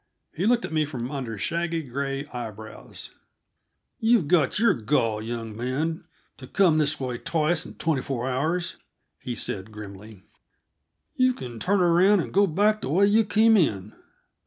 He looked at me from under shaggy, gray eyebrows. "You've got your gall, young man, to come this way twice in twenty four hours," he said grimly. "You can turn around and go back the way you came in."